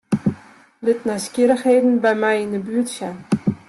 Lit nijsgjirrichheden by my yn 'e buert sjen.